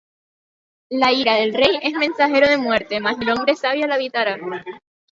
La ira del rey es mensajero de muerte: Mas el hombre sabio la evitará.